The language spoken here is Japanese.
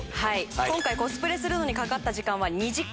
今回コスプレにかかった時間は２時間。